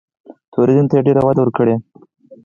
ټوریزم ته یې ډېره وده ورکړې.